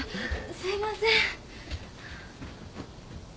すいません。